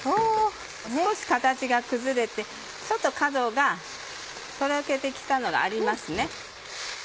少し形が崩れてちょっと角がとろけて来たのがありますね。